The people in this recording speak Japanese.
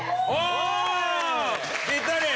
ぴったり！